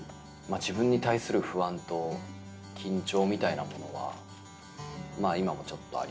自分に対する不安と緊張みたいなものは今もちょっとありますけど。